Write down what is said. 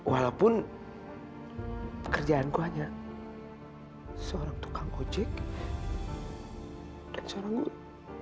walaupun pekerjaanku hanya seorang tukang ojek dan seorang guru